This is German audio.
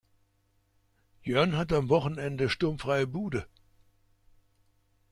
Jörn hat am Wochenende sturmfreie Bude.